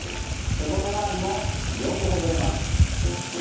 背骨回りもよくほぐれます。